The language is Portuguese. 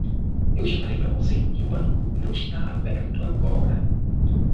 Eu já falei pra você que o banco não está aberto agora.